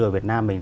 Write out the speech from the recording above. ở việt nam mình